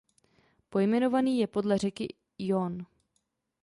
Pojmenovaný je podle řeky Yonne.